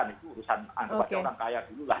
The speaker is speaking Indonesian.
itu urusan bagi orang kaya dulu lah